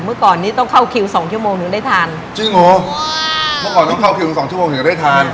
เมื่อก่อนนี้ต้องเข้าคิวสองชั่วโมงถึงได้ทานจริงเหรอเมื่อก่อนต้องเข้าคิวถึงสองชั่วโมงถึงจะได้ทาน